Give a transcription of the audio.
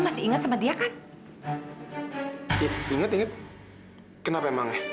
eh inget inget kenapa emangnya